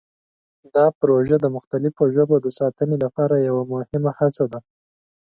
دا پروژه د مختلفو ژبو د ساتنې لپاره یوه مهمه هڅه ده.